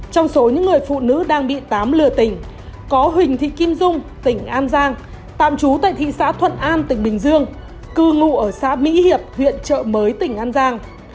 trong số những người phụ nữ đang bị tám lừa tỉnh có huỳnh thị kim dung tỉnh an giang tạm trú tại thị xã thuận an tỉnh bình dương cư ngụ ở xã mỹ hiệp huyện trợ mới tỉnh an giang